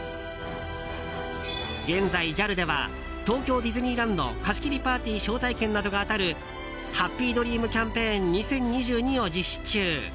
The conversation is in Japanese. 現在、ＪＡＬでは東京ディズニーランド貸し切りパーティー招待券などが当たるハッピードリームキャンペーン２０２２を実施中。